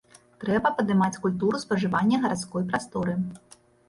Трэба падымаць культуру спажывання гарадской прасторы.